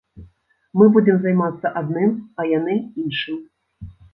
Мы будзем займацца адным, а яны іншым.